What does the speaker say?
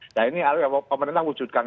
nah ini pemerintah wujudkan